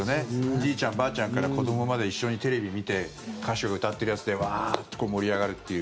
じいちゃん、ばあちゃんから子どもまで一緒にテレビ見て歌手が歌ってるやつでワーッと盛り上がるという。